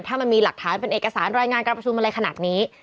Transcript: ถ้ามันมีหลักฐานเป็นเอกสารรายงานการประชุมอะไรขนาดนี้